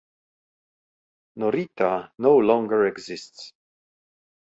Norita no longer exists.